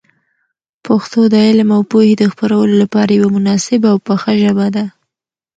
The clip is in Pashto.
پښتو د علم او پوهي د خپرولو لپاره یوه مناسبه او پخه ژبه ده.